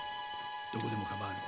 どこでも構わぬ。